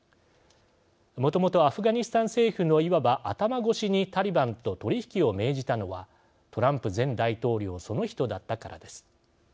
もともとアフガニスタン政府のいわば頭越しにタリバンと取引を命じたのはトランプ前大統領その人だったからです。